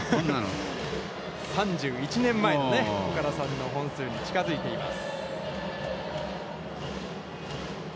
３１年前の岡田さんの本数に近づいています。